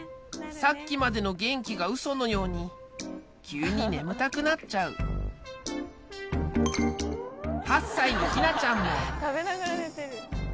さっきまでの元気がウソのように急に眠たくなっちゃう８才のひなちゃんも食べながら寝てる。